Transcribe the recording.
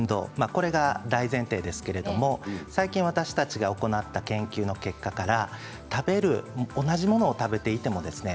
これが大前提ですけれど最近、私たちが行った研究の結果から同じものを食べていてもですね